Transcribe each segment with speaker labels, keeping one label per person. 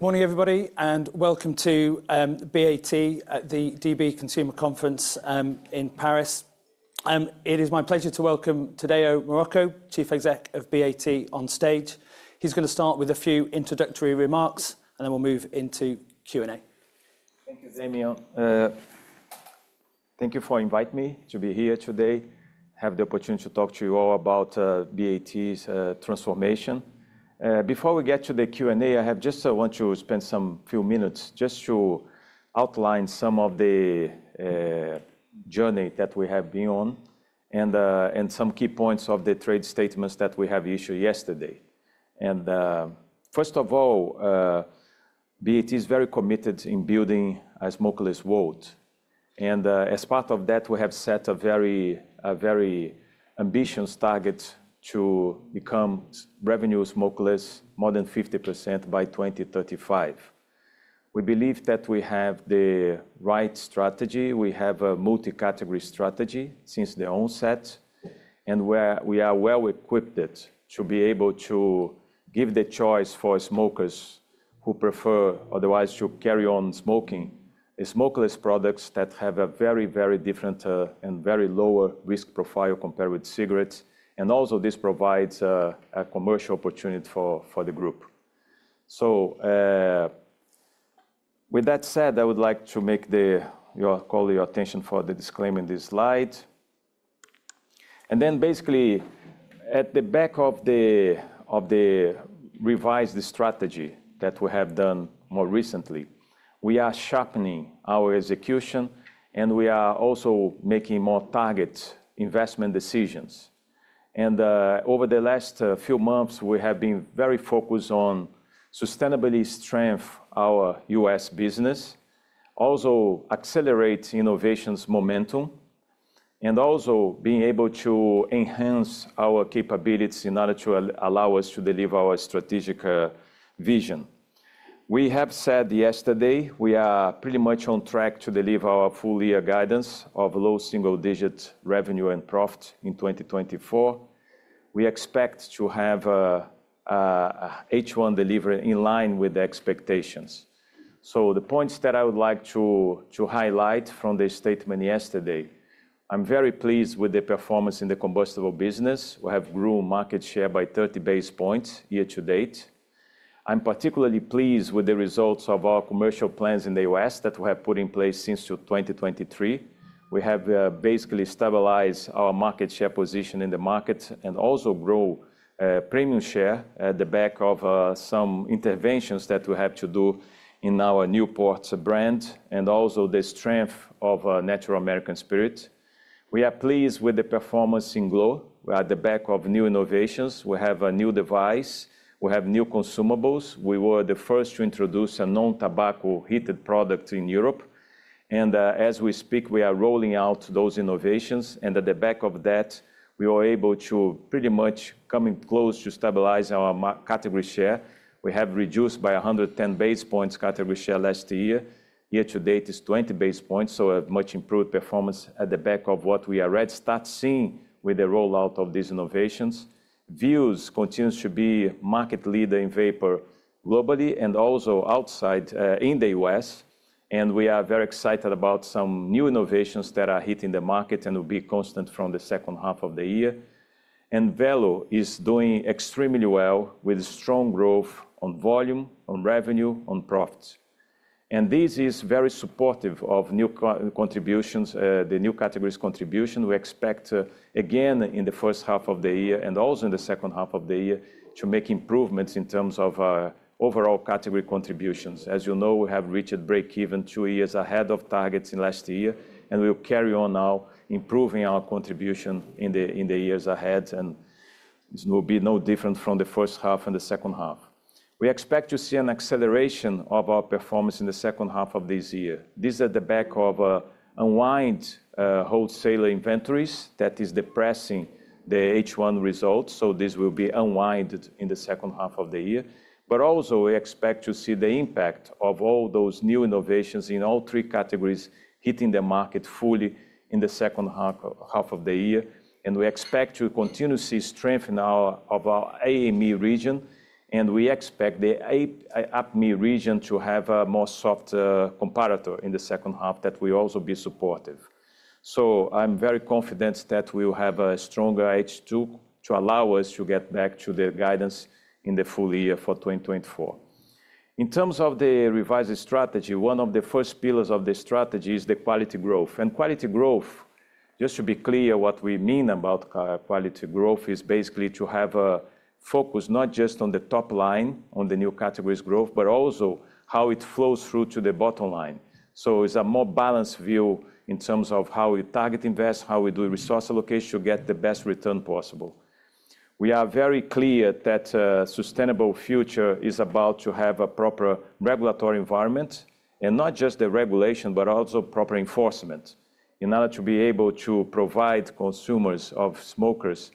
Speaker 1: Good morning, everybody, and welcome to BAT at the DB Consumer Conference in Paris. It is my pleasure to welcome Tadeu Marroco, Chief Exec of BAT, on stage. He's gonna start with a few introductory remarks, and then we'll move into Q&A.
Speaker 2: Thank you, Damian. Thank you for invite me to be here today, have the opportunity to talk to you all about, BAT's, transformation. Before we get to the Q&A, I have just, want to spend some few minutes just to outline some of the, journey that we have been on and, and some key points of the trade statements that we have issued yesterday. First of all, BAT is very committed in building a smokeless world, and, as part of that, we have set a very, a very ambitious target to become revenue smokeless more than 50% by 2035. We believe that we have the right strategy. We have a multi-category strategy since the onset, and we are well equipped to be able to give the choice for smokers who prefer otherwise to carry on smoking smokeless products that have a very, very different and very lower risk profile compared with cigarettes. Also, this provides a commercial opportunity for the group. With that said, I would like to call your attention to the disclaimer in this slide. Then basically, at the back of the revised strategy that we have done more recently, we are sharpening our execution, and we are also making more targeted investment decisions. Over the last few months, we have been very focused on sustainably strengthen our U.S. business, also accelerate innovations momentum, and also being able to enhance our capabilities in order to allow us to deliver our strategic, vision. We said yesterday, we are pretty much on track to deliver our full year guidance of low single-digit revenue and profit in 2024. We expect to have H1 delivery in line with the expectations. The points that I would like to highlight from the statement yesterday, I'm very pleased with the performance in the combustible business. We have grown market share by 30 basis points year to date. I'm particularly pleased with the results of our commercial plans in the U.S. that we have put in place since 2023. We have basically stabilized our market share position in the market and also grow premium share at the back of some interventions that we have to do in our Newport brand, and also the strength of Natural American Spirit. We are pleased with the performance in glo. We are at the back of new innovations. We have a new device; we have new consumables. We were the first to introduce a non-tobacco heated product in Europe, and as we speak, we are rolling out those innovations, and at the back of that, we were able to pretty much coming close to stabilize our category share. We have reduced by 110 basis points category share last year. Year to date is 20 basis points, so a much improved performance at the back of what we are already start seeing with the rollout of these innovations. Vuse continues to be market leader in vapor globally and also outside, in the U.S., and we are very excited about some new innovations that are hitting the market and will be constant from the second half of the year. VELO is doing extremely well, with strong growth on volume, on revenue, on profits. This is very supportive of new category contributions, the new categories contribution. We expect, again, in the first half of the year and also in the second half of the year, to make improvements in terms of, overall category contributions. As you know, we have reached breakeven two years ahead of targets in last year, and we will carry on now improving our contribution in the years ahead, and this will be no different from the first half and the second half. We expect to see an acceleration of our performance in the second half of this year. This is at the back of unwind wholesaler inventories. That is depressing the H1 results, so this will be unwind in the second half of the year. But also, we expect to see the impact of all those new innovations in all three categories hitting the market fully in the second half of the year. We expect to continue to see strength in our AME region, and we expect the APMEA region to have a more soft comparator in the second half that will also be supportive. So I'm very confident that we will have a stronger H2 to allow us to get back to the guidance in the full year for 2024. In terms of the revised strategy, one of the first pillars of the strategy is the quality growth. Quality growth, just to be clear, what we mean about quality growth is basically to have a focus, not just on the top line, on the new categories growth, but also how it flows through to the bottom line. So it's a more balanced view in terms of how we target invest, how we do resource allocation to get the best return possible. We are very clear that a sustainable future is about to have a proper regulatory environment, and not just the regulation, but also proper enforcement, in order to be able to provide consumers of smokers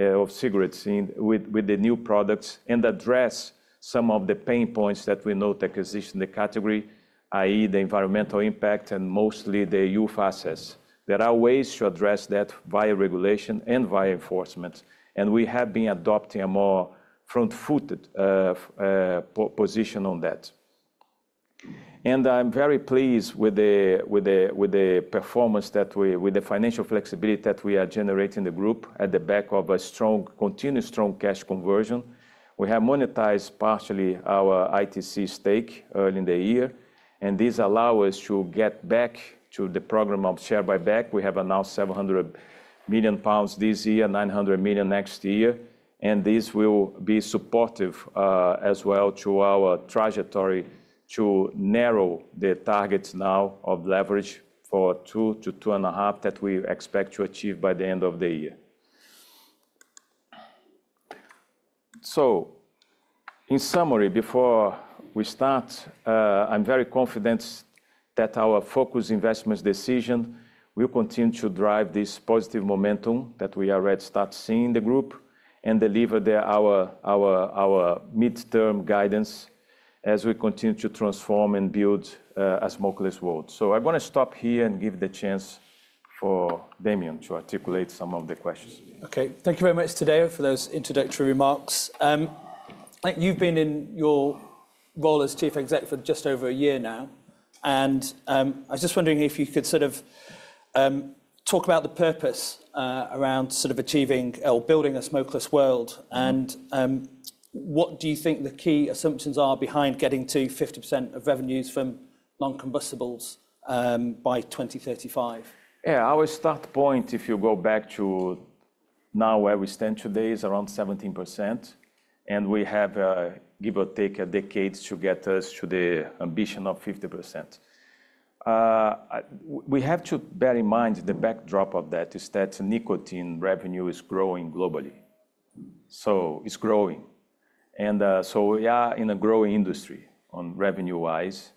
Speaker 2: of cigarettes with the new products and address some of the pain points that we know that exist in the category. i.e., the environmental impact and mostly the youth access. There are ways to address that via regulation and via enforcement, and we have been adopting a more front-footed position on that. And I'm very pleased with the performance that we... With the financial flexibility that we are generating the group at the back of a strong, continuous strong cash conversion. We have monetized partially our ITC stake early in the year, and this allow us to get back to the program of share buyback. We have announced 700 million pounds this year, 900 million next year, and this will be supportive, as well to our trajectory to narrow the targets now of leverage for 2x-2.5x, that we expect to achieve by the end of the year. So in summary, before we start, I'm very confident that our focus investments decision will continue to drive this positive momentum that we already start seeing in the group, and deliver our midterm guidance as we continue to transform and build, a smokeless world. So I'm going to stop here and give the chance for Damian to articulate some of the questions.
Speaker 1: Okay. Thank you very much, Tadeu, for those introductory remarks. You've been in your role as chief exec for just over a year now, and I was just wondering if you could sort of talk about the purpose around sort of achieving or building a smokeless world, and what do you think the key assumptions are behind getting to 50% of revenues from non-combustibles by 2035?
Speaker 2: Yeah, our start point, if you go back to now, where we stand today, is around 17%, and we have, give or take, a decade to get us to the ambition of 50%. We have to bear in mind, the backdrop of that is that nicotine revenue is growing globally. So it's growing, and, so we are in a growing industry on revenue-wise,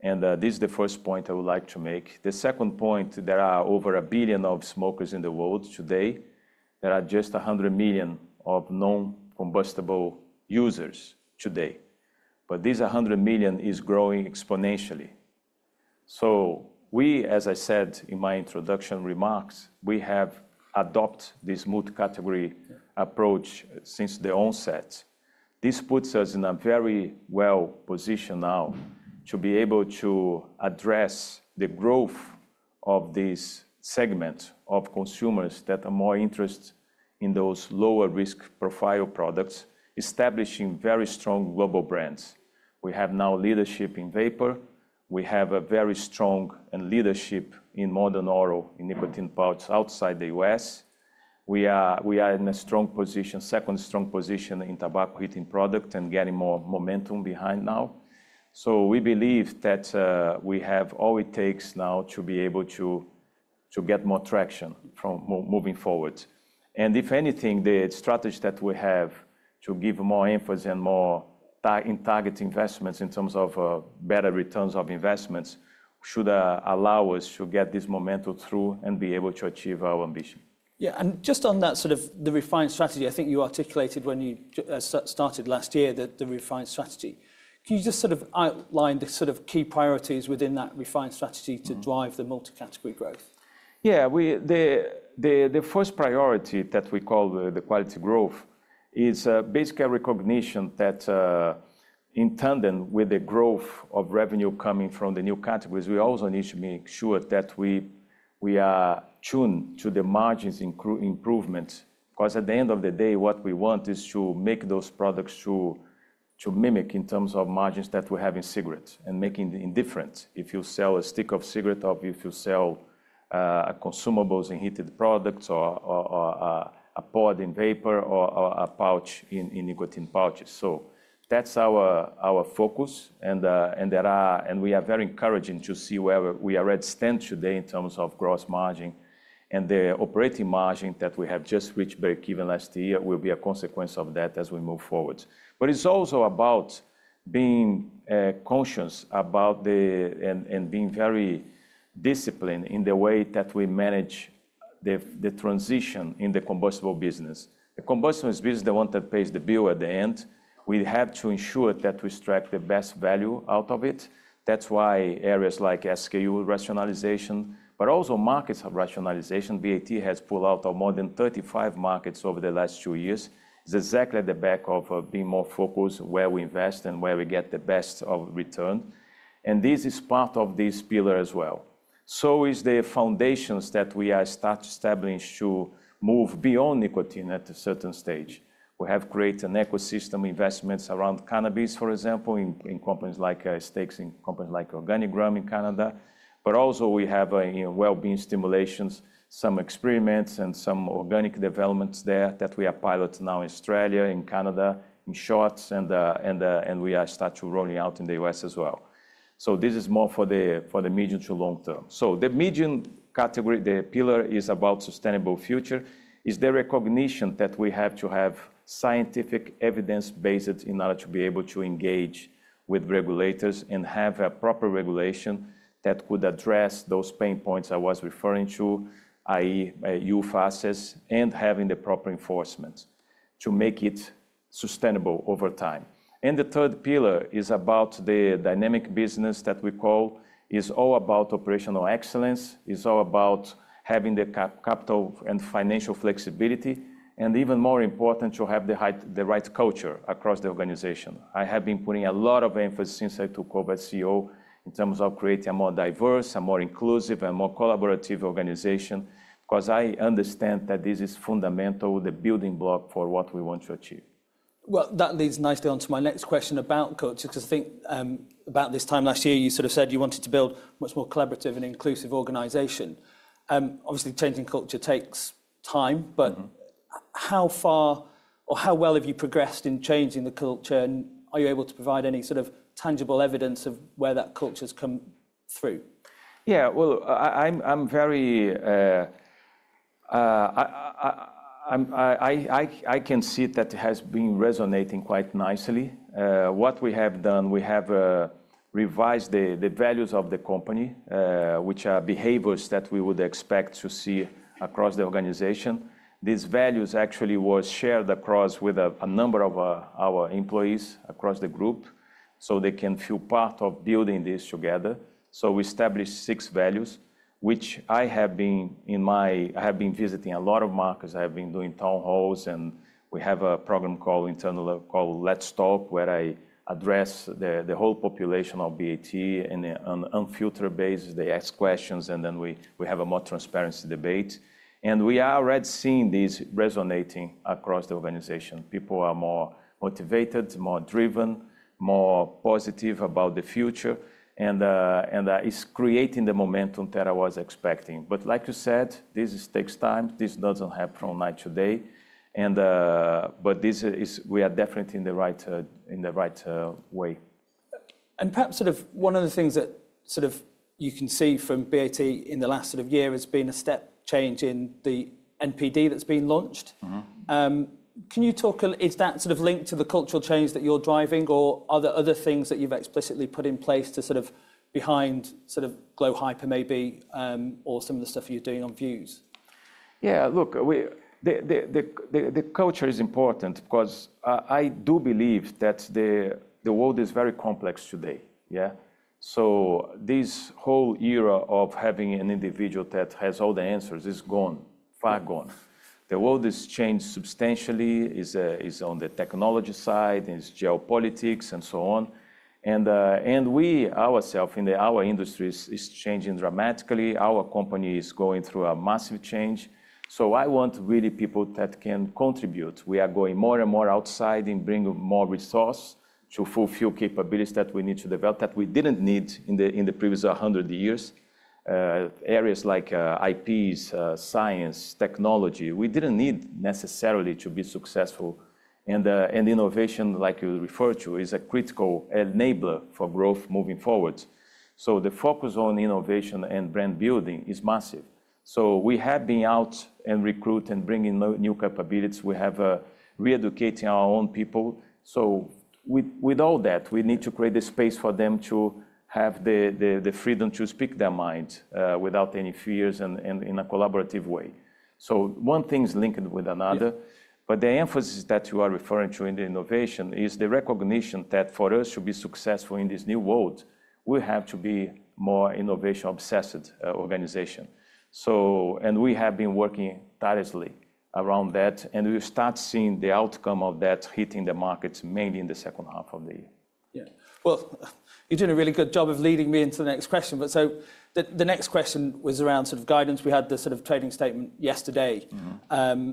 Speaker 2: and, this is the first point I would like to make. The second point, there are over 1 billion of smokers in the world today. There are just 100 million of non-combustible users today, but this 100 million is growing exponentially. So we, as I said in my introduction remarks, we have adopt this multi-category approach since the onset. This puts us in a very well position now, to be able to address the growth of this segment of consumers that are more interested in those lower risk profile products, establishing very strong global brands. We have now leadership in vapor. We have a very strong leadership in modern oral, in nicotine pouch, outside the U.S. We are in a strong position, second strong position in tobacco heating product and getting more momentum behind now. So we believe that we have all it takes now to be able to get more traction moving forward. And if anything, the strategy that we have to give more emphasis and more targeted investments in terms of better returns of investments should allow us to get this momentum through and be able to achieve our ambition.
Speaker 1: Yeah, and just on that sort of the refined strategy, I think you articulated when you started last year, that the refined strategy. Can you just sort of outline the sort of key priorities within that refined strategy?
Speaker 2: Mm-hmm.
Speaker 1: -to drive the multi-category growth?
Speaker 2: Yeah, the first priority that we call the quality growth is basically a recognition that in tandem with the growth of revenue coming from the new categories, we also need to make sure that we are tuned to the margins improvement. Because at the end of the day, what we want is to make those products to mimic in terms of margins that we have in cigarettes, and making it indifferent. If you sell a stick of cigarette, or if you sell a consumables in heated products, or a pod in vapor, or a pouch in nicotine pouches. So that's our focus and we are very encouraged to see where we are standing today in terms of gross margin. The operating margin that we have just reached by Q1 last year will be a consequence of that as we move forward. But it's also about being cautious about being very disciplined in the way that we manage the transition in the combustible business. The combustible business is the one that pays the bill at the end. We have to ensure that we extract the best value out of it. That's why areas like SKU rationalization, but also markets of rationalization. BAT has pulled out of more than 35 markets over the last two years. It's exactly at the back of being more focused where we invest and where we get the best of return, and this is part of this pillar as well. So is the foundations that we are start establishing to move beyond nicotine at a certain stage. We have created an ecosystem investments around cannabis, for example, stakes in companies like Organigram in Canada. But also we have a wellbeing stimulations, some experiments, and some organic developments there that we are pilot now in Australia, in Canada, in short, and we are start to rolling out in the U.S. as well. So this is more for the medium to long term. So the medium category, the pillar, is about sustainable future, is the recognition that we have to have scientific evidence based in order to be able to engage with regulators, and have a proper regulation that could address those pain points I was referring to, i.e., youth access and having the proper enforcement to make it sustainable over time. And the third pillar is about the dynamic business that we call, is all about operational excellence, is all about having the capital and financial flexibility, and even more important, to have the right culture across the organization. I have been putting a lot of emphasis since I took over as CEO, in terms of creating a more diverse, a more inclusive, and more collaborative organization, 'cause I understand that this is fundamental, the building block for what we want to achieve.
Speaker 1: Well, that leads nicely onto my next question about culture, 'cause I think, about this time last year, you sort of said you wanted to build a much more collaborative and inclusive organization. Obviously, changing culture takes time-
Speaker 2: Mm-hmm.
Speaker 1: How far or how well have you progressed in changing the culture, and are you able to provide any sort of tangible evidence of where that culture's come through?
Speaker 2: Yeah, well, I'm very... I can see that it has been resonating quite nicely. What we have done, we have revised the values of the company, which are behaviors that we would expect to see across the organization. These values actually was shared across with a number of our employees across the group, so they can feel part of building this together. So we established six values, which I have been in my... I have been visiting a lot of markets. I have been doing town halls, and we have a program called internally Let's Talk, where I address the whole population of BAT, and on an unfiltered basis, they ask questions, and then we have a more transparent debate. And we are already seeing this resonating across the organization. People are more motivated, more driven, more positive about the future, and, and, it's creating the momentum that I was expecting. But like you said, this takes time. This doesn't happen from night to day, and, but this is- we are definitely in the right, in the right, way.
Speaker 1: Perhaps sort of one of the things that sort of you can see from BAT in the last sort of year has been a step change in the NPD that's been launched.
Speaker 2: Mm-hmm.
Speaker 1: Can you talk? Is that sort of linked to the cultural change that you're driving, or are there other things that you've explicitly put in place to sort of behind, sort of, glo Hyper maybe, or some of the stuff you're doing on Vuse?
Speaker 2: Yeah, look, the culture is important because I do believe that the world is very complex today. Yeah? So this whole era of having an individual that has all the answers is gone. Far gone.
Speaker 1: Mm.
Speaker 2: The world has changed substantially on the technology side, geopolitics, and so on. We ourselves in our industry is changing dramatically. Our company is going through a massive change, so I want really people that can contribute. We are going more and more outside and bring more resource to fulfill capabilities that we need to develop, that we didn't need in the previous hundred years. Areas like IPs, science, technology, we didn't need necessarily to be successful. Innovation, like you referred to, is a critical enabler for growth moving forward. So the focus on innovation and brand building is massive. So we have been out and recruit and bring in new capabilities. We have reeducating our own people. So with all that, we need to create the space for them to have the freedom to speak their mind, without any fears and in a collaborative way. So one thing is linked with another-
Speaker 1: Yeah...
Speaker 2: but the emphasis that you are referring to in the innovation is the recognition that for us to be successful in this new world, we have to be more innovation-obsessed organization. So, and we have been working tirelessly around that, and we'll start seeing the outcome of that hitting the markets mainly in the second half of the year.
Speaker 1: Yeah. Well, you're doing a really good job of leading me into the next question, but so the next question was around sort of guidance. We had the sort of trading statement yesterday-
Speaker 2: Mm-hmm...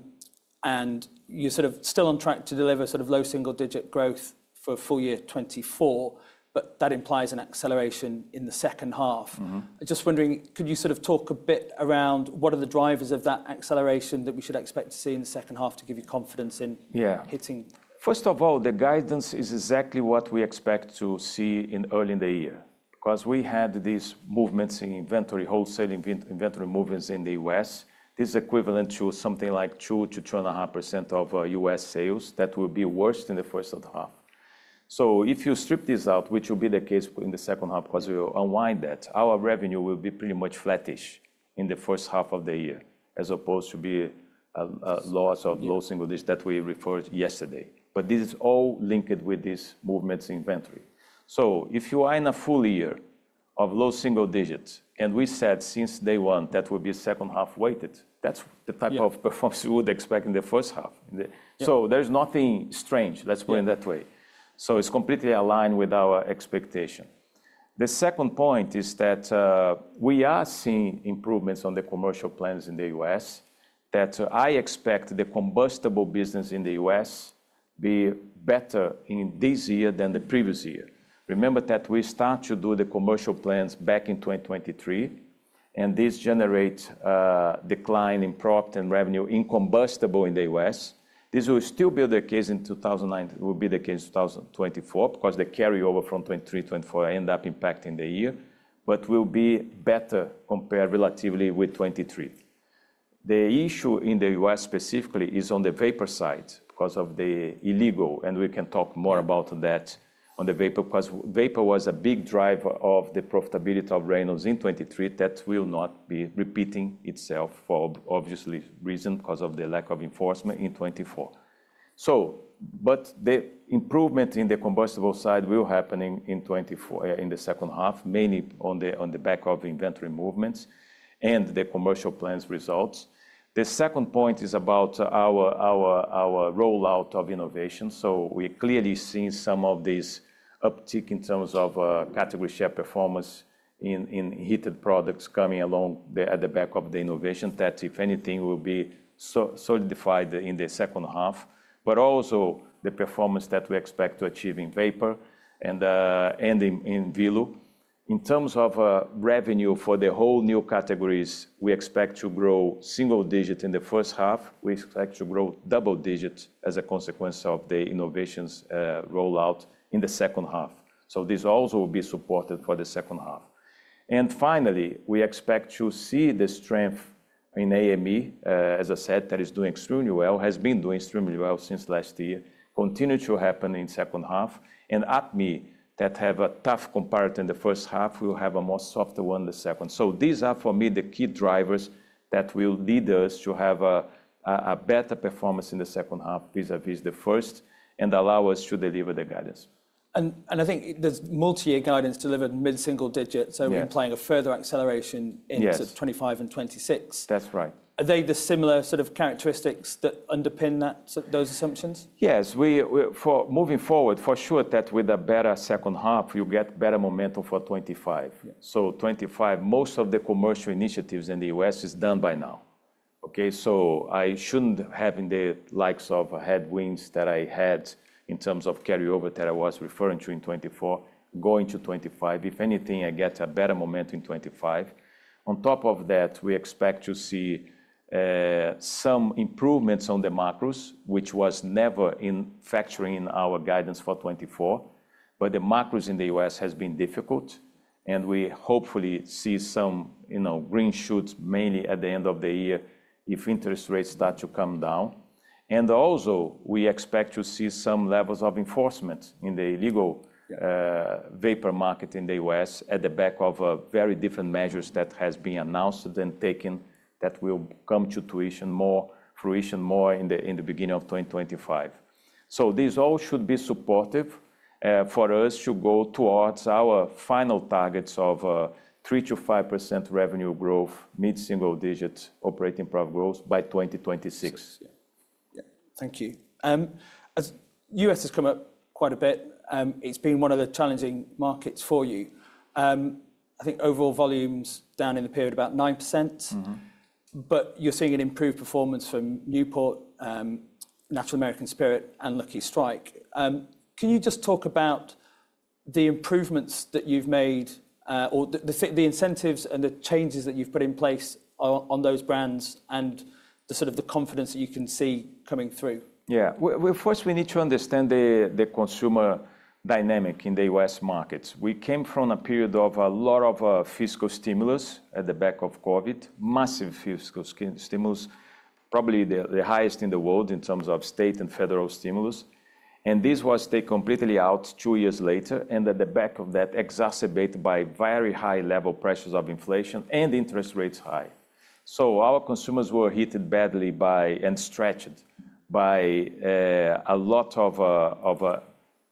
Speaker 1: and you're sort of still on track to deliver sort of low single-digit growth for full year 2024, but that implies an acceleration in the second half.
Speaker 2: Mm-hmm.
Speaker 1: I'm just wondering, could you sort of talk a bit around what are the drivers of that acceleration that we should expect to see in the second half to give you confidence in-
Speaker 2: Yeah...
Speaker 1: hitting?
Speaker 2: First of all, the guidance is exactly what we expect to see early in the year. 'Cause we had these movements in inventory, wholesale inventory movements in the U.S. This is equivalent to something like 2%-2.5% of U.S. sales. That will be worse in the first half. So if you strip this out, which will be the case in the second half, 'cause we will unwind that, our revenue will be pretty much flattish in the first half of the year, as opposed to be a, a-
Speaker 1: Yes...
Speaker 2: loss of low single digits that we referred yesterday. But this is all linked with these movements in inventory. So if you are in a full year of low single digits, and we said since day one that will be second half weighted, that's the type-
Speaker 1: Yeah...
Speaker 2: of performance you would expect in the first half. The-
Speaker 1: Yeah.
Speaker 2: There's nothing strange, let's put it that way.
Speaker 1: Yeah.
Speaker 2: So it's completely aligned with our expectation. The second point is that we are seeing improvements on the commercial plans in the U.S., that I expect the combustible business in the U.S. be better in this year than the previous year. Remember, that we start to do the commercial plans back in 2023, and this generate a decline in profit and revenue in combustible in the U.S. This will still be the case, will be the case in 2024, because the carryover from 2023, 2024 end up impacting the year, but will be better compared relatively with 2023. The issue in the U.S. specifically is on the vapor side because of the illegal, and we can talk more about that on the vapor. 'Cause vapor was a big driver of the profitability of Reynolds in 2023. That will not be repeating itself for obvious reasons, because of the lack of enforcement in 2024. But the improvement in the combustible side will be happening in 2024, in the second half, mainly on the back of inventory movements and the commercial plans results. The second point is about our rollout of innovation. So we're clearly seeing some of this uptick in terms of category share performance in heated products coming along at the back of the innovation. That, if anything, will be solidified in the second half. But also the performance that we expect to achieve in vapor and in VELO. In terms of revenue for the whole new categories, we expect to grow single digit in the first half. We expect to grow double digit as a consequence of the innovations, rollout in the second half. So this also will be supported for the second half. And finally, we expect to see the strength in AME, as I said, that is doing extremely well, has been doing extremely well since last year, continue to happen in second half. And APMEA, that have a tough comparator in the first half, will have a more softer one the second. So these are, for me, the key drivers that will lead us to have a better performance in the second half vis-à-vis the first, and allow us to deliver the guidance.
Speaker 1: I think there's multi-year guidance delivered mid-single digit-
Speaker 2: Yeah.
Speaker 1: so we're implying a further acceleration.
Speaker 2: Yes...
Speaker 1: into 2025 and 2026.
Speaker 2: That's right.
Speaker 1: Are they the similar sort of characteristics that underpin that, so those assumptions?
Speaker 2: Yes, we for moving forward, for sure that with a better second half, you get better momentum for 2025.
Speaker 1: Yeah.
Speaker 2: So 2025, most of the commercial initiatives in the U.S. is done by now. Okay, so I shouldn't have the likes of headwinds that I had in terms of carryover that I was referring to in 2024, going to 2025. If anything, I get a better momentum in 2025. On top of that, we expect to see some improvements on the macros, which was never in factoring in our guidance for 2024, but the macros in the U.S. has been difficult, and we hopefully see some, you know, green shoots, mainly at the end of the year, if interest rates start to come down. And also, we expect to see some levels of enforcement in the illegal-
Speaker 1: Yeah...
Speaker 2: vapor market in the U.S. in the wake of a variety of measures that have been announced and taken, that will come to fruition more in the beginning of 2025. So these all should be supportive for us to go towards our final targets of 3%-5% revenue growth, mid-single digits operating profit growth by 2026.
Speaker 1: Yeah. Thank you. As U.S. has come up quite a bit, it's been one of the challenging markets for you. I think overall volume's down in the period about 9%.
Speaker 2: Mm-hmm.
Speaker 1: But you're seeing an improved performance from Newport, Natural American Spirit, and Lucky Strike. Can you just talk about the improvements that you've made, or the incentives and the changes that you've put in place on those brands, and the sort of confidence that you can see coming through?
Speaker 2: Yeah. Well, first we need to understand the consumer dynamic in the U.S. markets. We came from a period of a lot of fiscal stimulus at the back of Covid, massive fiscal stimulus, probably the highest in the world in terms of state and federal stimulus, and this was taken completely out two years later, and at the back of that, exacerbated by very high level pressures of inflation and interest rates high. So our consumers were hit badly by, and stretched by, a lot of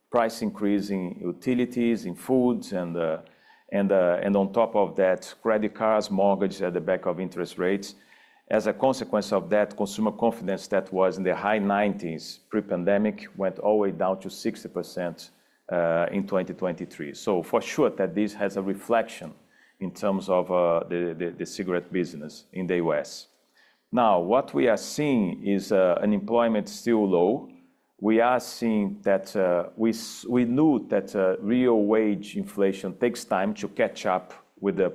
Speaker 2: price increase in utilities, in foods, and on top of that, credit cards, mortgage at the back of interest rates. As a consequence of that, consumer confidence that was in the high nineties pre-pandemic, went all the way down to 60% in 2023. So for sure that this has a reflection in terms of the cigarette business in the U.S. Now, what we are seeing is unemployment still low. We are seeing that we knew that real wage inflation takes time to catch up with the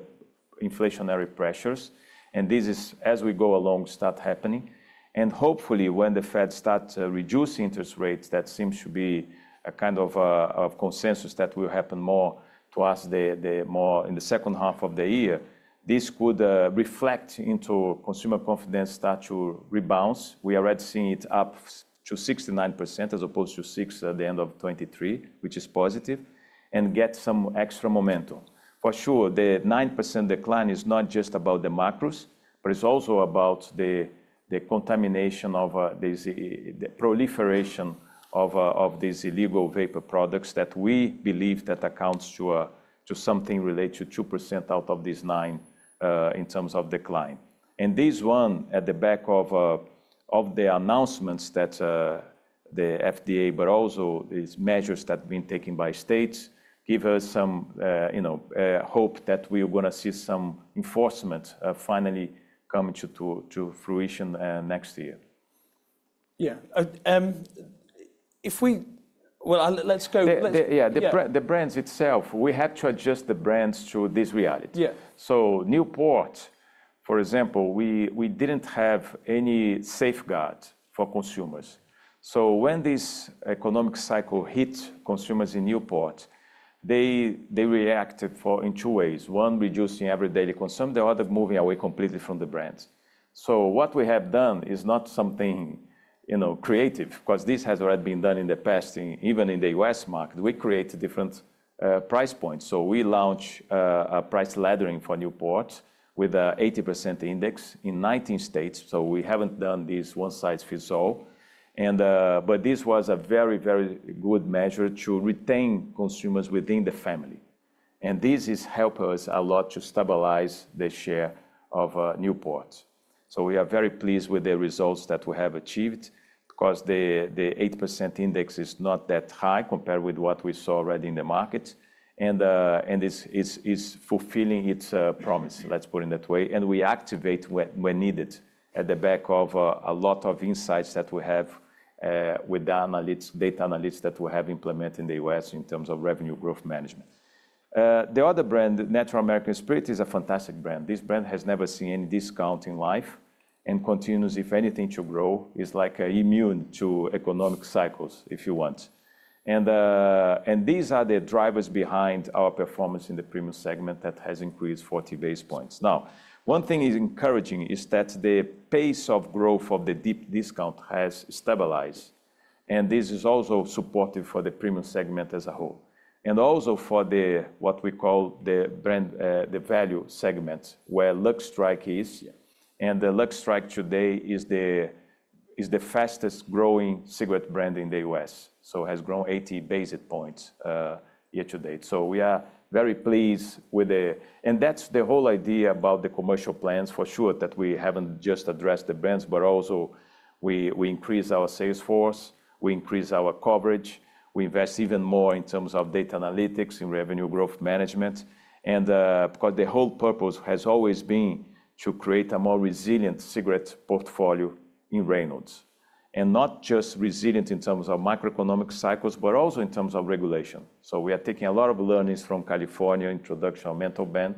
Speaker 2: inflationary pressures, and this is, as we go along, start happening. And hopefully, when the Fed start to reduce interest rates, that seems to be a kind of of consensus that will happen more to us, the, the more in the second half of the year, this could reflect into consumer confidence start to rebalance. We are already seeing it up to 69% as opposed to 60% at the end of 2023, which is positive, and get some extra momentum. For sure, the 9% decline is not just about the macros, but it's also about the proliferation of these illegal vapor products, that we believe accounts to something related to 2% out of these 9%, in terms of decline. And this one, at the back of the announcements that the FDA, but also these measures that have been taken by states, give us some, you know, hope that we are gonna see some enforcement finally coming to fruition next year.
Speaker 1: Yeah. Well, let's go, let's-
Speaker 2: The, the, yeah-
Speaker 1: Yeah.
Speaker 2: The brands itself, we had to adjust the brands to this reality.
Speaker 1: Yeah.
Speaker 2: So Newport, for example, we didn't have any safeguard for consumers. So when this economic cycle hit consumers in Newport, they reacted in two ways. One, reducing everyday consumption, the other, moving away completely from the brands. So what we have done is not something, you know, creative, 'cause this has already been done in the past, in even in the U.S. market. We create different price points. So we launch a price laddering for Newport with a 80% index in 19 states, so we haven't done this one-size-fits-all. And but this was a very, very good measure to retain consumers within the family... and this has helped us a lot to stabilize the share of Newport. So we are very pleased with the results that we have achieved, 'cause the 8% index is not that high compared with what we saw already in the market, and it's fulfilling its promise, let's put it that way. And we activate when needed, at the back of a lot of insights that we have with the data analysts that we have implemented in the U.S. in terms of revenue growth management. The other brand, Natural American Spirit, is a fantastic brand. This brand has never seen any discount in life, and continues, if anything, to grow. It's like immune to economic cycles, if you want. And these are the drivers behind our performance in the premium segment that has increased 40 basis points. Now, one thing is encouraging is that the pace of growth of the deep discount has stabilized, and this is also supportive for the premium segment as a whole, and also for the, what we call the brand, the value segment, where Lucky Strike is.
Speaker 1: Yeah.
Speaker 2: And the Lucky Strike today is the fastest growing cigarette brand in the U.S., so has grown 80 basis points, year to date. So we are very pleased with the... And that's the whole idea about the commercial plans, for sure, that we haven't just addressed the brands, but also we, we increase our sales force, we increase our coverage, we invest even more in terms of data analytics and revenue growth management. And, because the whole purpose has always been to create a more resilient cigarette portfolio in Reynolds. And not just resilient in terms of macroeconomic cycles, but also in terms of regulation. So we are taking a lot of learnings from California introduction of menthol ban,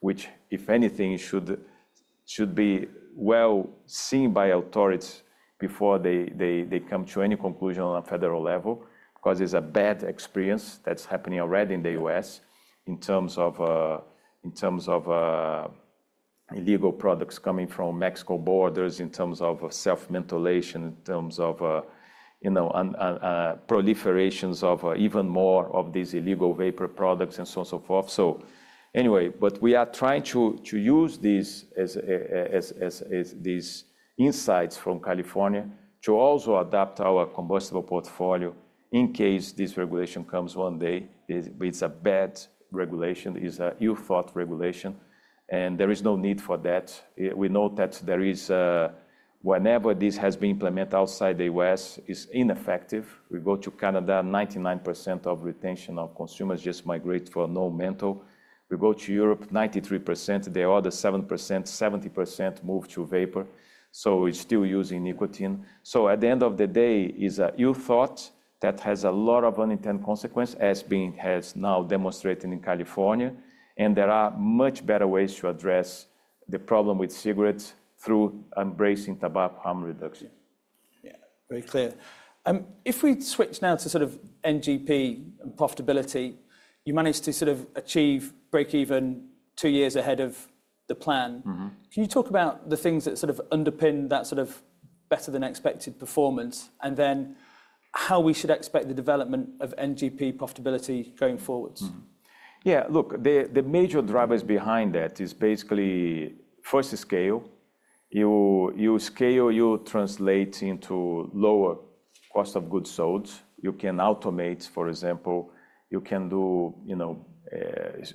Speaker 2: which, if anything, should be well seen by authorities before they come to any conclusion on a federal level. Because it's a bad experience that's happening already in the U.S. in terms of, in terms of, illegal products coming from Mexico borders, in terms of self-mentholation, in terms of, you know, and, and, proliferations of even more of these illegal vapor products, and so on, so forth. So anyway, but we are trying to use these as these insights from California to also adapt our combustible portfolio in case this regulation comes one day. It's a bad regulation, it's a ill-thought regulation, and there is no need for that. We know that there is a... Whenever this has been implemented outside the U.S., it's ineffective. We go to Canada, 99% of retention of consumers just migrate for no menthol. We go to Europe, 93%. The other 7%, 70% move to vapor, so it's still using nicotine. So at the end of the day, it's an ill thought that has a lot of unintended consequences, as has now demonstrated in California, and there are much better ways to address the problem with cigarettes through embracing tobacco harm reduction.
Speaker 1: Yeah, very clear. If we switch now to sort of NGP and profitability, you managed to sort of achieve breakeven two years ahead of the plan.
Speaker 2: Mm-hmm.
Speaker 1: Can you talk about the things that sort of underpin that sort of better-than-expected performance, and then how we should expect the development of NGP profitability going forward?
Speaker 2: Yeah, look, the major drivers behind that is basically, first, the scale. You scale, you translate into lower cost of goods sold. You can automate, for example. You can do, you know,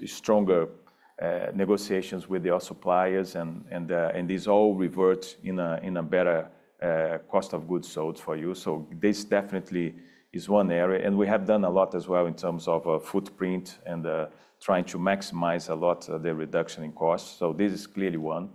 Speaker 2: stronger negotiations with your suppliers, and this all reverts in a better cost of goods sold for you. So this definitely is one area, and we have done a lot as well in terms of footprint and trying to maximize a lot the reduction in costs. So this is clearly one.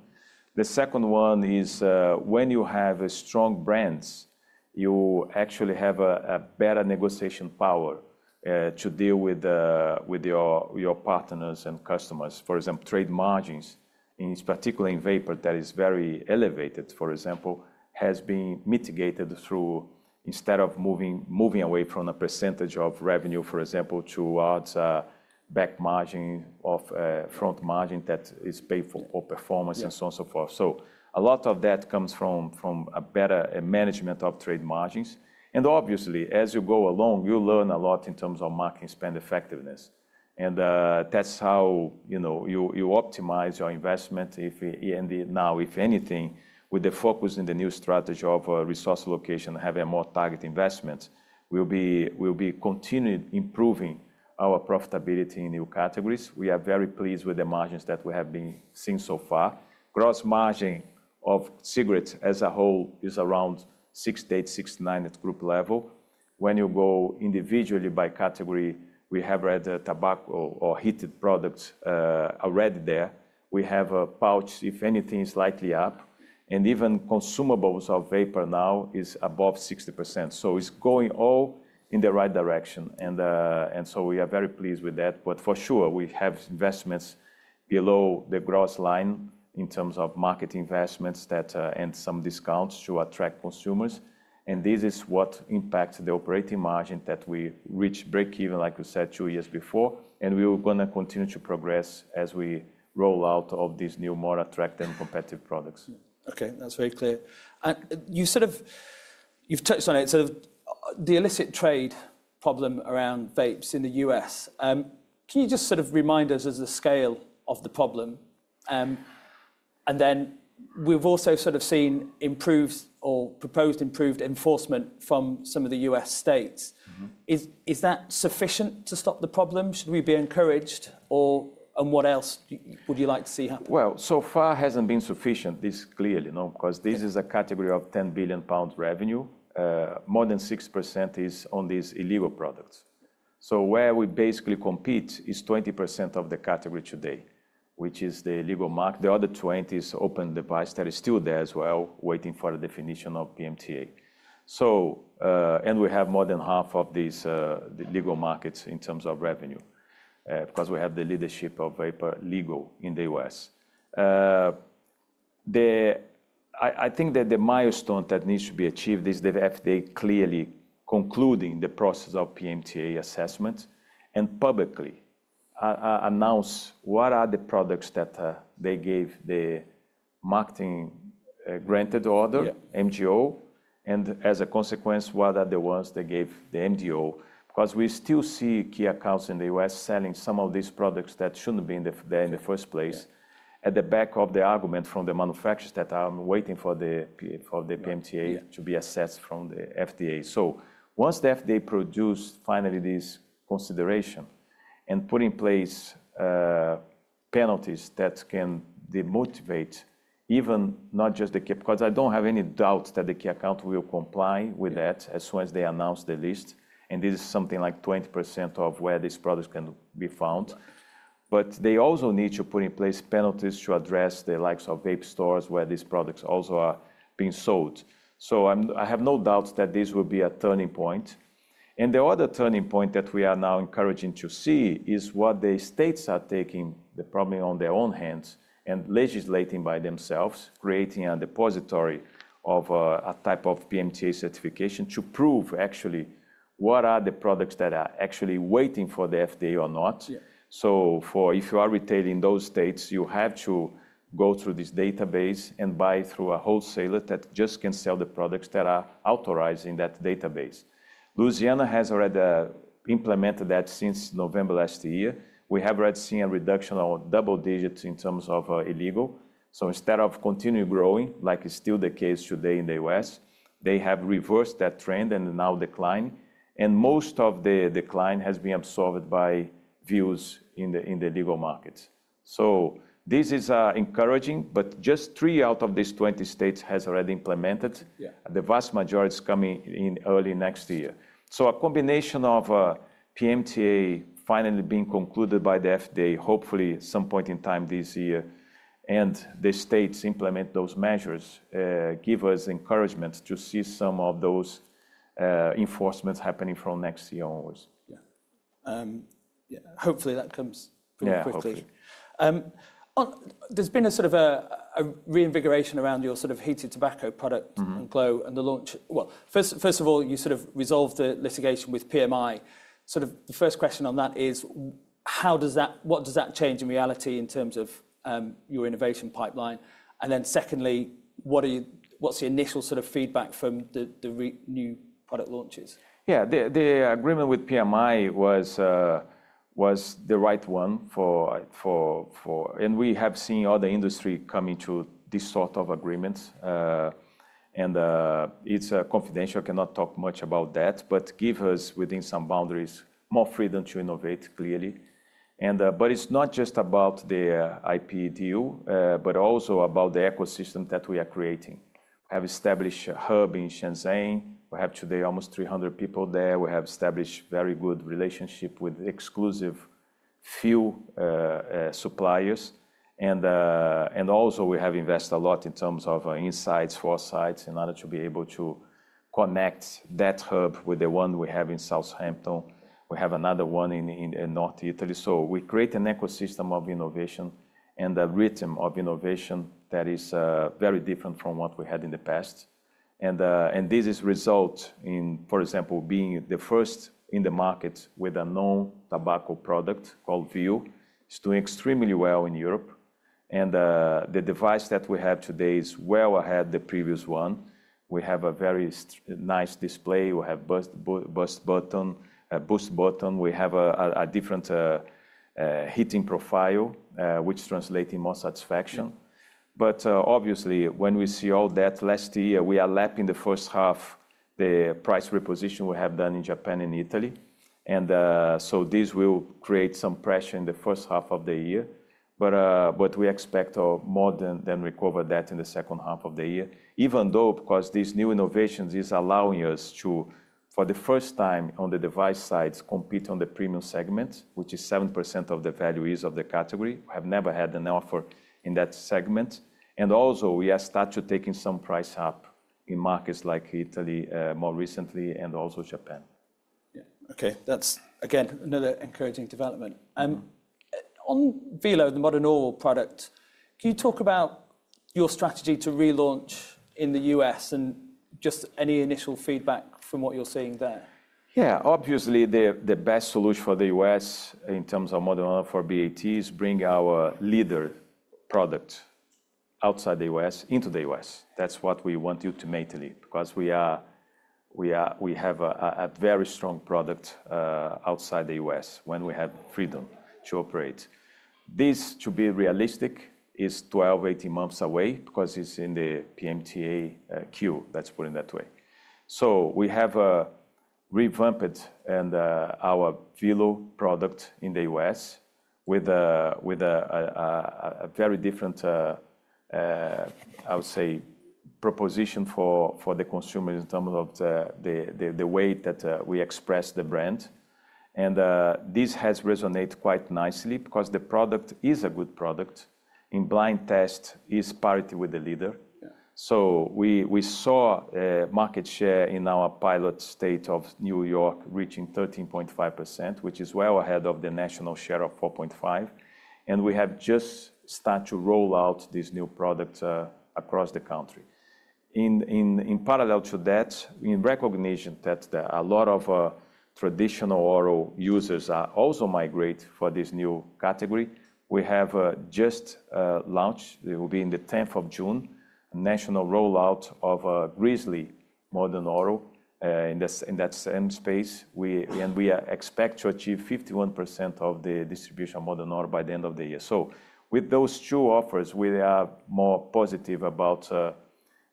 Speaker 2: The second one is, when you have strong brands, you actually have a better negotiation power to deal with your partners and customers. For example, trade margins, and it's particularly in vapor that is very elevated, for example, has been mitigated through instead of moving, moving away from a percentage of revenue, for example, towards a back margin of a front margin that is paid for, for performance-
Speaker 1: Yeah...
Speaker 2: and so on, so forth. So a lot of that comes from, from a better management of trade margins. And obviously, as you go along, you learn a lot in terms of marketing spend effectiveness, and that's how, you know, you optimize your investment. And now, if anything, with the focus in the new strategy of resource allocation, having a more targeted investment, we'll be continuing improving our profitability in new categories. We are very pleased with the margins that we have been seeing so far. Gross margin of cigarettes as a whole is around 68%-69% at group level. When you go individually by category, we have heated tobacco or heated products already there. We have pouch, if anything, is slightly up, and even consumables of vapor now is above 60%. So it's going all in the right direction, and, and so we are very pleased with that. But for sure, we have investments below the gross line in terms of market investments that... And some discounts to attract consumers, and this is what impacts the operating margin, that we reach breakeven, like we said, two years before, and we are gonna continue to progress as we roll out all these new, more attractive and competitive products.
Speaker 1: Okay, that's very clear. And you sort of—you've touched on it, sort of, the illicit trade problem around vapes in the U.S. Can you just sort of remind us of the scale of the problem, and then we've also sort of seen improved or proposed improved enforcement from some of the U.S. states.
Speaker 2: Mm-hmm.
Speaker 1: Is that sufficient to stop the problem? Should we be encouraged or, and what else would you like to see happen?
Speaker 2: Well, so far it hasn't been sufficient, this clearly, no, 'cause this is a category of 10 billion pounds revenue. More than 6% is on these illegal products. So where we basically compete is 20% of the category today, which is the illegal market. The other 20% is open device that is still there as well, waiting for the definition of PMTA. So, and we have more than half of these, the legal markets in terms of revenue, because we have the leadership of vapor legal in the U.S. I think that the milestone that needs to be achieved is the FDA clearly concluding the process of PMTA assessment, and publicly announce what are the products that, they gave the marketing granted order-
Speaker 1: Yeah...
Speaker 2: MGO, and as a consequence, what are the ones they gave the MGO. Because we still see key accounts in the U.S. selling some of these products that shouldn't be there in the first place.
Speaker 1: Yeah.
Speaker 2: At the back of the argument from the manufacturers that are waiting for the PMTA-
Speaker 1: Yeah...
Speaker 2: to be assessed from the FDA. So once the FDA produced finally this consideration, and put in place, penalties that can demotivate even not just the 'cause I don't have any doubts that the key account will comply with that as soon as they announce the list, and this is something like 20% of where these products can be found.
Speaker 1: Right.
Speaker 2: But they also need to put in place penalties to address the likes of vape stores, where these products also are being sold. So I have no doubts that this will be a turning point. The other turning point that we are now encouraging to see is what the states are taking the problem on their own hands, and legislating by themselves, creating a depository of a type of PMTA certification to prove actually what are the products that are actually waiting for the FDA or not.
Speaker 1: Yeah.
Speaker 2: So, if you are retailing those states, you have to go through this database and buy through a wholesaler that just can sell the products that are authorized in that database. Louisiana has already implemented that since November last year. We have already seen a reduction of double digits in terms of illegal. So instead of continuing growing, like is still the case today in the U.S., they have reversed that trend and are now declining, and most of the decline has been absorbed by Vuse in the, in the legal markets. So this is encouraging, but just three out of these 20 states has already implemented.
Speaker 1: Yeah.
Speaker 2: The vast majority is coming in early next year. So a combination of PMTA finally being concluded by the FDA, hopefully at some point in time this year, and the states implement those measures, give us encouragement to see some of those enforcements happening from next year onwards.
Speaker 1: Yeah. Yeah, hopefully that comes pretty quickly.
Speaker 2: Yeah, hopefully.
Speaker 1: There's been a sort of reinvigoration around your sort of heated tobacco product-
Speaker 2: Mm-hmm...
Speaker 1: and glo, and the launch. Well, first of all, you sort of resolved the litigation with PMI. Sort of the first question on that is: How does that, what does that change in reality in terms of your innovation pipeline? And then secondly, what's the initial sort of feedback from the new product launches?
Speaker 2: Yeah, the agreement with PMI was the right one for. And we have seen other industry coming to this sort of agreements. And it's confidential, I cannot talk much about that, but give us, within some boundaries, more freedom to innovate, clearly. But it's not just about the IP deal, but also about the ecosystem that we are creating. We have established a hub in Shenzhen. We have today almost 300 people there. We have established very good relationship with exclusive few suppliers, and also we have invested a lot in terms of insights, foresights, in order to be able to connect that hub with the one we have in Southampton. We have another one in North Italy. So we create an ecosystem of innovation and a rhythm of innovation that is, very different from what we had in the past. And this is result in, for example, being the first in the market with a non-tobacco product called veo. It's doing extremely well in Europe, and, the device that we have today is well ahead the previous one. We have a very nice display, we have boost button, a boost button. We have a different heating profile, which translate in more satisfaction. But, obviously, when we see all that, last year we are lapping the first half, the price reposition we have done in Japan and Italy, and, so this will create some pressure in the first half of the year. But, but we expect more than, than recover that in the second half of the year. Even though, because these new innovations is allowing us to, for the first time on the device side, compete on the premium segment, which is 7% of the value is of the category. I have never had an offer in that segment. And also, we have started taking some price up in markets like Italy, more recently, and also Japan.
Speaker 1: Yeah, okay. That's, again, another encouraging development. On Velo, the modern oral product, can you talk about your strategy to relaunch in the U.S., and just any initial feedback from what you're seeing there?
Speaker 2: Yeah. Obviously, the best solution for the U.S. in terms of Modern Oral, for BAT, is bring our leader product outside the U.S. into the U.S. That's what we want to ultimately, because we are, we have a very strong product outside the U.S. when we have freedom to operate. This, to be realistic, is 12 months, 18 months away, because it's in the PMTA queue. Let's put it that way. So we have revamped our VELO product in the U.S. with a very different, I would say, proposition for the consumer in terms of the way that we express the brand. And this has resonate quite nicely because the product is a good product. In blind test, is parity with the leader.
Speaker 1: Yeah.
Speaker 2: So we saw market share in our pilot state of New York reaching 13.5%, which is well ahead of the national share of 4.45%, and we have just start to roll out this new product across the country. In parallel to that, in recognition that a lot of traditional oral users are also migrate for this new category, we have just launched, it will be in the tenth of June, national rollout of Grizzly Modern Oral in that same space. And we expect to achieve 51% of the distribution Modern Oral by the end of the year. So with those two offers, we are more positive about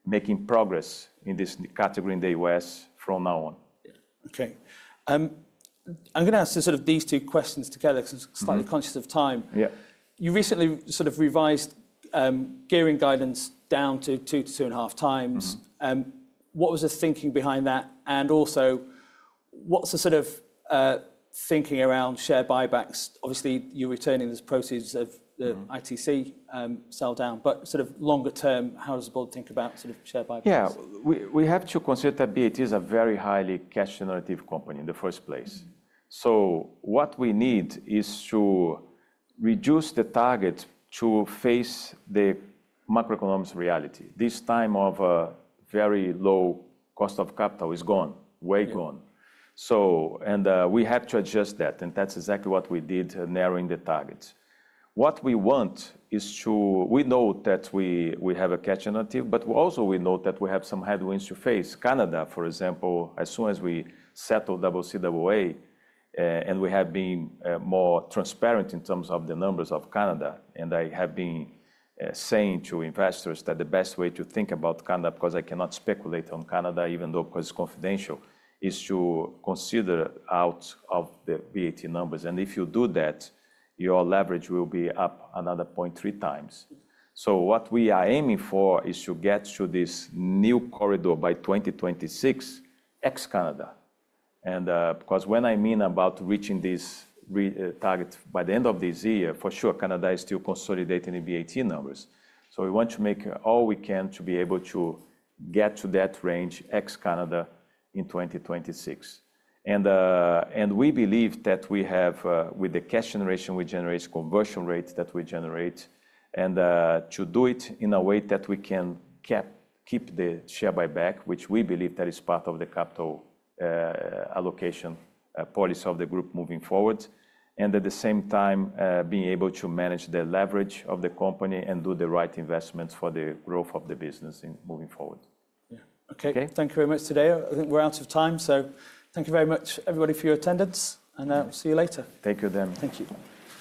Speaker 2: making progress in this category in the U.S. from now on.
Speaker 1: Yeah. Okay. I'm gonna ask sort of these two questions together-
Speaker 2: Mm-hmm.
Speaker 1: Because I'm slightly conscious of time.
Speaker 2: Yeah.
Speaker 1: You recently sort of revised gearing guidance down to 2-2.5 times.
Speaker 2: Mm-hmm.
Speaker 1: What was the thinking behind that, and also, what's the sort of thinking around share buybacks? Obviously, you're returning the proceeds of the-
Speaker 2: Mm.
Speaker 1: ITC sell down, but sort of longer term, how does the board think about sort of share buybacks?
Speaker 2: Yeah. We have to consider that BAT is a very highly cash generative company in the first place.
Speaker 1: Mm.
Speaker 2: So what we need is to reduce the target to face the macroeconomic reality. This time of very low cost of capital is gone, way gone.
Speaker 1: Yeah.
Speaker 2: So we had to adjust that, and that's exactly what we did, narrowing the target. What we want is to... We know that we have a cash generative, but also we know that we have some headwinds to face. Canada, for example, as soon as we settle CCAA, and we have been more transparent in terms of the numbers of Canada, and I have been saying to investors that the best way to think about Canada, because I cannot speculate on Canada, even though, because it's confidential, is to consider out of the BAT numbers. And if you do that, your leverage will be up another 0.3 times. So what we are aiming for is to get to this new corridor by 2026, ex-Canada. And, because what I mean about reaching this target by the end of this year, for sure, Canada is still consolidating the BAT numbers. So we want to make all we can to be able to get to that range, ex-Canada, in 2026. And, and we believe that we have, with the cash generation, we generate conversion rates that we generate, and to do it in a way that we can keep the share buyback, which we believe that is part of the capital allocation policy of the group moving forward, and at the same time, being able to manage the leverage of the company and do the right investments for the growth of the business in moving forward.
Speaker 1: Yeah. Okay.
Speaker 2: Okay?
Speaker 1: Thank you very much today. I think we're out of time, so thank you very much, everybody, for your attendance, and see you later.
Speaker 2: Thank you, Damian.
Speaker 1: Thank you.